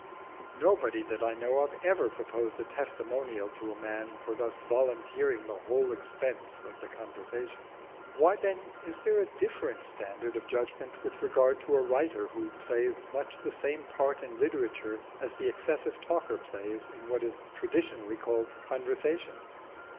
Nobody that I know of ever proposed a testimonial to a man for thus volunteering the whole expense of the conversation. Why is there a different standard of judgment with regard to a writer who plays much the same part in literature as the excessive talker plays in what is traditionally called conversation?